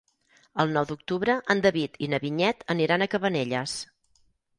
El nou d'octubre en David i na Vinyet aniran a Cabanelles.